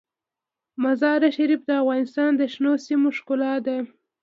مزارشریف د افغانستان د شنو سیمو ښکلا ده.